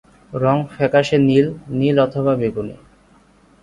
রং ফ্যাকাশে নীল, নীল অথবা বেগুনি।